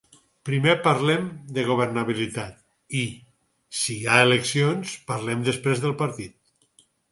Primer parlem de governabilitat i, si hi ha eleccions, parlem després del partit.